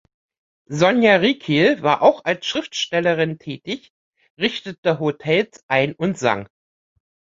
Sonia Rykiel war auch als Schriftstellerin tätig, richtete Hotels ein und sang.